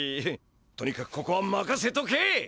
とにかくここはまかせとけ！